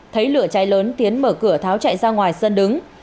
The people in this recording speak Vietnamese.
thấy lửa cháy lớn tiến mở cửa tháo chạy ra ngoài sân đứng